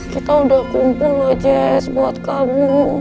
kita udah kumpul loh jess buat kamu